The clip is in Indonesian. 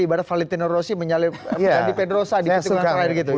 ibarat valentino rossi menyalip di pedrosa di tikungan terakhir gitu ya